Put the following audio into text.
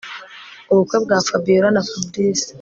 ubukwe bwa Fabiora na Fabric